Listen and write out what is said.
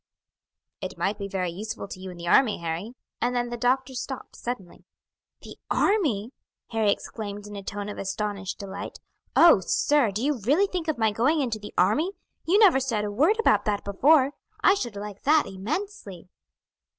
"It might be very useful to you in the army, Harry;" and then the doctor stopped suddenly. "The army!" Harry exclaimed in a tone of astonished delight. "Oh, sir, do you really think of my going into the army? You never said a word about that before. I should like that immensely."